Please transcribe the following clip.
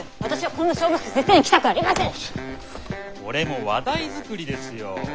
これも話題作りですよ。